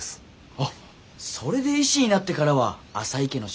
あっそれで医師になってからは浅井家の主治医に？